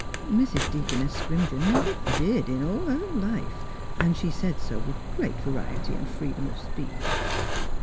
" Mrs. Deaconess Scrimger never did, in all lier life ; and she said so with great variety and free dom of speech.